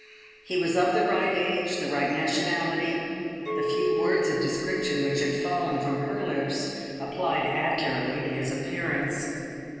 He was of the right age, the right nationality: the few words of description which had fallen from her lips applied accurately to his appearance.